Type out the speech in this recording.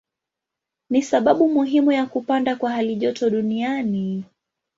Ni sababu muhimu ya kupanda kwa halijoto duniani.